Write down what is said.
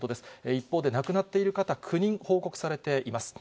一方で亡くなっている方９人報告されています。